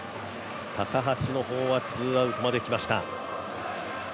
高橋の方はツーアウトまできました。